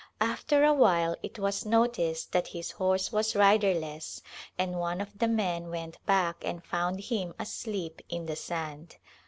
After a while it was noticed that his horse was rider less and one of the men went back and found him asleep in the sand.